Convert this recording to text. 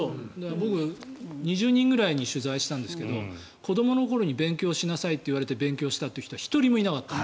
僕、２０人ぐらいに取材したんですけど子どもの頃に勉強しなさいと言われて勉強したという人は１人もいなかった。